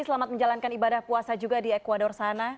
selamat menjalankan ibadah puasa juga di ecuador sana